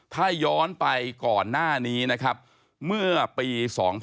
ถ้าย้อนไปก่อนหน้านี้นะครับเมื่อปี๒๕๕๙